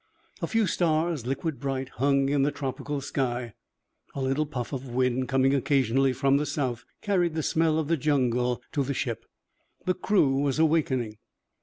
A few stars, liquid bright, hung in the tropical sky. A little puff of wind coming occasionally from the south carried the smell of the jungle to the ship. The crew was awakening.